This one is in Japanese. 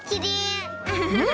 うん？